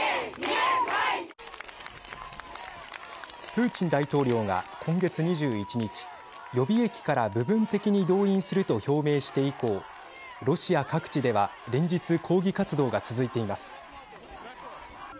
プーチン大統領が今月２１日予備役から部分的に動員すると表明して以降ロシア各地では連日、抗議活動が続いています。